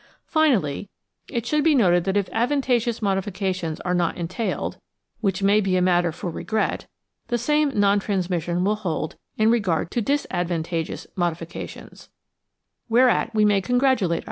Finally, it should be noted that if advantageous modifications are not en tailed, which may be a matter for regret, the same non trans mission will hold in regard to disadvantageous modifications, whereat we may congratulate ourselves.